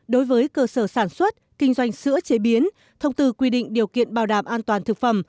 đối với cơ sở sản xuất kinh doanh sữa chế biến thông tư quy định điều kiện bảo đảm an toàn thực phẩm